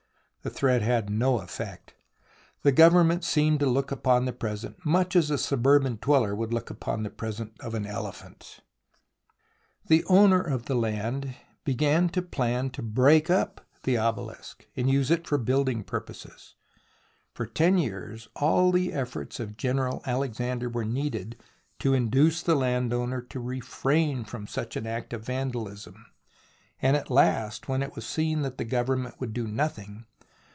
The threat had no effect. The Govern ment seemed to look upon the present much as a suburban dweller would look upon the present of an elephant. THE ROMANCE OF EXCAVATION 39 The owner of the land began to plan to break up the obeHsk, and use it for building purposes. For ten years all the efforts of General Alexander were needed to induce the landowner to refrain from such an act of vandalism, and at last, when it was seen that the Government would do nothing.